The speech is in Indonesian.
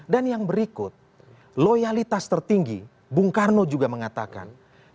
dan yang berikut loyalitas tertinggi bung karno juga mengatakan